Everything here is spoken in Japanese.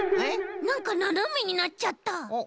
なんかななめになっちゃった。